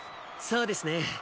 そうですね。